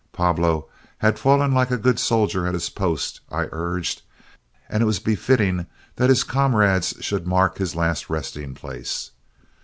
Pablo had fallen like a good soldier at his post, I urged, and it was befitting that his comrades should mark his last resting place.